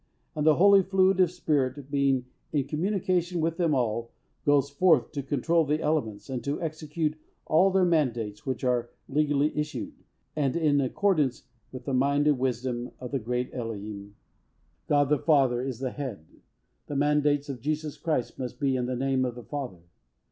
And the holy fluid, or Spirit, being in communication with them all, goes forth to control the elements, and to execute all their mandates which are legally issued, and in accordance with the mind and wisdom of the Great Eloheim. God the Father is the Head. The mandates of Jesus Christ must be in the name of the Father.